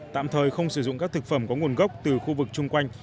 tạm thời không sử dụng các thực phẩm có nguồn gốc từ khu vực chung quanh